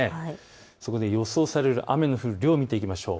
そこで予想される雨の降る量、見ていきましょう。